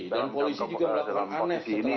dan polisi juga melakukan aneh